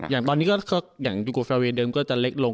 อย่างตอนนี้ก็อย่างดูโกฟาเวยเดิมก็จะเล็กลง